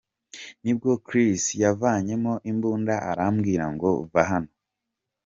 Nibwo Chris yavanyemo imbunda arambwira ngo ‘Va hano’.